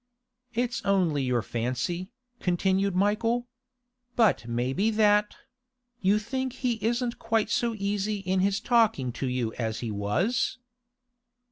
'It's only your fancy,' continued Michael. 'But may be that—You think he isn't quite so easy in his talking to you as he was?